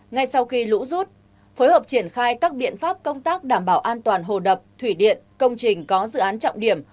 ngay sau khi lũ rút phối hợp triển khai các biện pháp công tác đảm bảo an toàn hồ đập thủy điện công trình có dự án trọng điểm